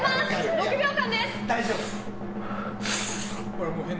６秒間です。